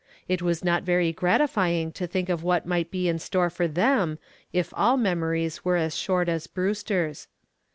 It was not very gratifying to think of what might be in store for them if all memories were as short as Brewster's.